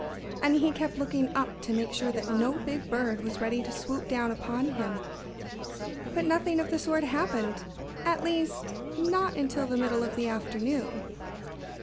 And he kept looking up to make sure that no big bird was ready to swoop down upon him. But nothing of the sort happened at least, not until the middle of the afternoon.